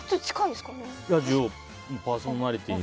ラジオパーソナリティーに。